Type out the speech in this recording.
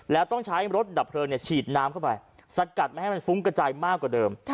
แล้วต้องใช้รถดับเพลิงฉีดน้ำเข้าไปสกัดไม่ให้มันฟุ้งกระจายมากกว่าเดิม